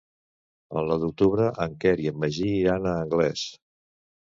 El nou d'octubre en Quer i en Magí iran a Anglès.